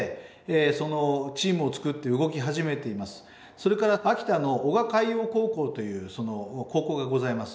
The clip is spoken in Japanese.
それから秋田の男鹿海洋高校という高校がございます。